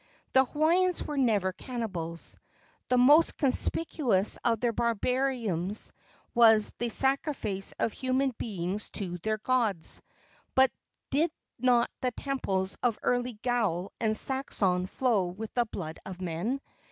The Hawaiians were never cannibals. The most conspicuous of their barbarisms was the sacrifice of human beings to their gods; but did not the temples of early Gaul and Saxon flow with the blood of men?